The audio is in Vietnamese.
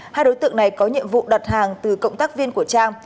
hai đối tượng này có nhiệm vụ đặt hàng từ cộng tác viên của trang